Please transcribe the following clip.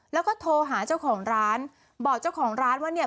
แล้วก็โทรหาเจ้าของร้านบอกเจ้าของร้านว่าเนี่ย